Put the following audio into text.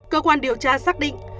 cơ quan điều tra xác định